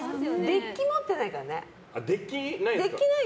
デッキ持ってないからね。